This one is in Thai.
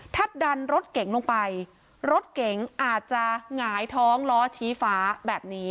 ถ้าดันรถเก๋งลงไปรถเก๋งอาจจะหงายท้องล้อชี้ฟ้าแบบนี้